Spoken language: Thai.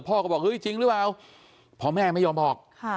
พ่อก็บอกเฮ้ยจริงหรือเปล่าพ่อแม่ไม่ยอมบอก